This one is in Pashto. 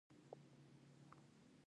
افغانستان په ژورې سرچینې غني دی.